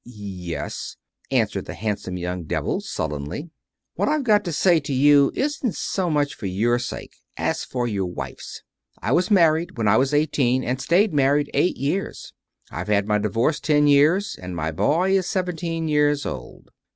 "Yes," answered the handsome young devil, sullenly. "What I've got to say to you isn't so much for your sake, as for your wife's. I was married when I was eighteen, and stayed married eight years. I've had my divorce ten years, and my boy is seventeen years old.